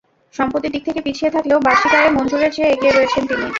সম্পদের দিক থেকে পিছিয়ে থাকলেও বার্ষিক আয়ে মনজুরের চেয়ে এগিয়ে রয়েছেন তিনি।